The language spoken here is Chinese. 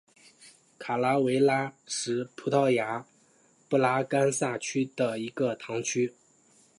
卡拉韦拉什是葡萄牙布拉干萨区的一个堂区。